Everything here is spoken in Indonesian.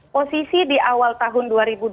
posisi di awal tahun dua ribu dua puluh